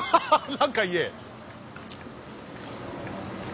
何か言え！